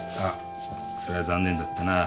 それは残念だったな。